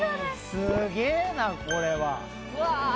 すげぇなこれは。